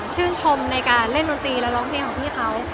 ชื่นชมในการเล่นดนตรีและร้องเพลงของพี่เขา